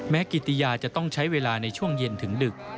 กิติยาจะต้องใช้เวลาในช่วงเย็นถึงดึก